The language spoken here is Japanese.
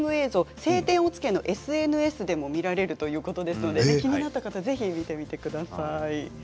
「青天を衝け」のＳＮＳでも見られるということで気になった方はぜひ見てみてください。